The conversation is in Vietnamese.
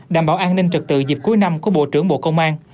đảm bảo an ninh trực tự dịp cuối năm của bộ trưởng bộ công an